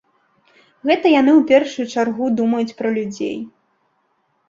Гэта яны ў першую чаргу думаюць пра людзей.